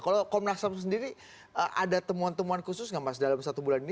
kalau komnas ham sendiri ada temuan temuan khusus nggak mas dalam satu bulan ini